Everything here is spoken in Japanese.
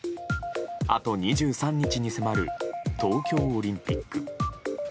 あと２３日に迫る東京オリンピック。